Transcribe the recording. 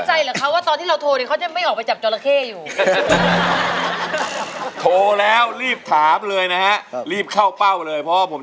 อากาศนี่มันคลิดคิ้วกุ้งกิ้ง